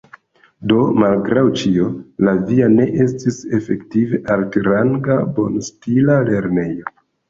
Do, malgraŭ ĉio, la via ne estis efektive altranga, bonstila lernejo.